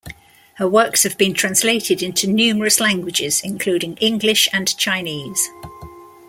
Her works have been translated into numerous languages, including English and Chinese.